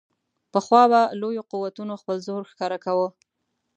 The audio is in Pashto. پخوا به لویو قوتونو خپل زور ښکاره کاوه.